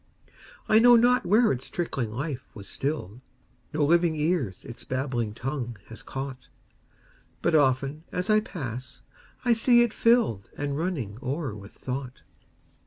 I know not where its trickling life was still'd; No living ears its babbling tongue has caught; But often, as I pass, I see it fill'dAnd running o'er with thought.